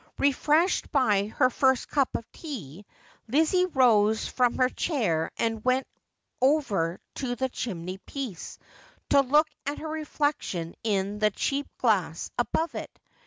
Refreshed by her first cup of tea, Lizzie rose from her chair and went over to the chimney piece to look at her reflection in the cheap glass above it.